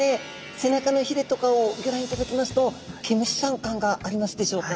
背中のヒレとかをギョ覧いただきますと毛虫さん感がありますでしょうか。